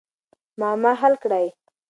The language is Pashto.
معما حل کړئ.